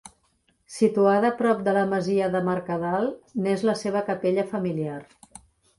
Situada prop de la masia de Mercadal, n'és la seva capella familiar.